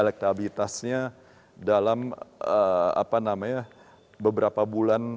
elektabilitasnya dalam beberapa bulan